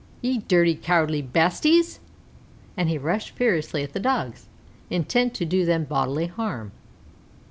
Ye dhirty, cowardly bastes!" and he rushed furiously at the Dogs, intent to do them bodily harm.